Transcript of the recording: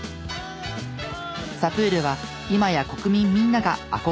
サプールは今や国民みんなが憧れる存在に。